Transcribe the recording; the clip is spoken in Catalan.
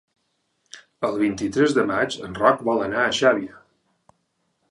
El vint-i-tres de maig en Roc vol anar a Xàbia.